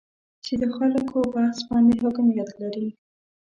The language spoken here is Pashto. چې د خلکو بحث باندې حاکمیت لري